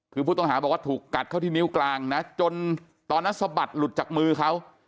คือผู้ต้องหาบอกว่าถูกกัดเข้าที่นิ้วกลางนะจนตอนนั้นสะบัดหลุดจากมือเขา